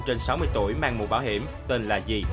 trên sáu mươi tuổi mang mũ bảo hiểm tên là gì